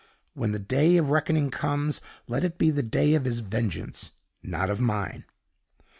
When the day of reckoning comes, let it be the day of his vengeance, not of mine.